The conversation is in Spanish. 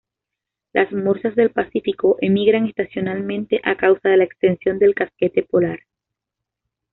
Las morsas del Pacífico emigran estacionalmente a causa de la extensión del casquete polar.